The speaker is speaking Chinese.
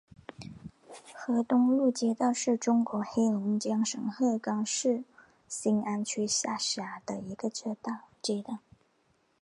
河东路街道是中国黑龙江省鹤岗市兴安区下辖的一个街道。